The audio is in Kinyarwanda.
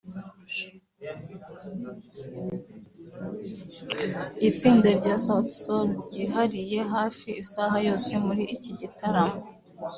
Itsinda rya Sauti Sol ryihariye hafi isaha yose muri iki gitaramo